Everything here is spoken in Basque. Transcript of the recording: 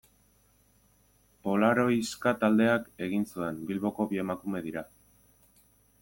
Polaroiska taldeak egin zuen, Bilboko bi emakume dira.